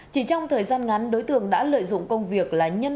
chỉ trong thời gian ngắn đối tượng đã lợi dụng công việc là nhân